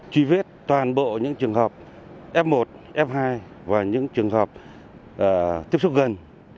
truy vết toàn bộ những trường hợp f một f hai và những trường hợp tiếp xúc gần